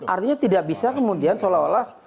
artinya tidak bisa kemudian seolah olah